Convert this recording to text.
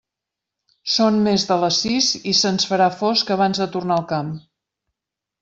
Són més de les sis, i se'ns farà fosc abans de tornar al camp.